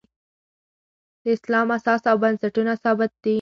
د اسلام اساس او بنسټونه ثابت دي.